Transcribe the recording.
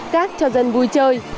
gác cho dân vui chơi